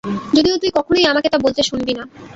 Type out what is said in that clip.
যদিও তুই কখনোই আমাকে তা বলতে শুনবি না।